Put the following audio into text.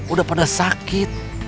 udah pada sakit